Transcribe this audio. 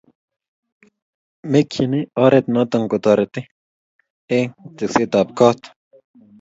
mekchini oret noto kotorit eng' teksetab koot.